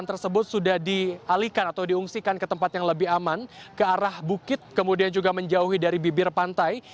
tersebut sudah dialihkan atau diungsikan ke tempat yang lebih aman ke arah bukit kemudian juga menjauhi dari bibir pantai